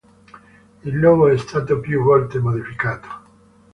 Il logo è stato più volte modificato.